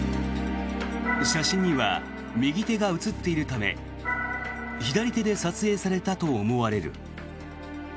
写真には右手が写っているため左手で撮影されたと思われる。